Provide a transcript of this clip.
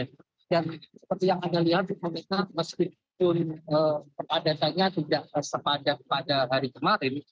dan seperti yang anda lihat di komentar meskipun keadaannya tidak sepadat pada hari kemarin